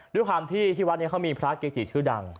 ด้วยความที่ที่วัดนี้เขามีพระเกจิชื่อดัง